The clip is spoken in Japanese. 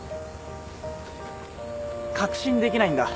確信できないんだ